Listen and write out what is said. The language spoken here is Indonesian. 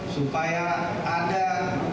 supaya ada ukm ukm baru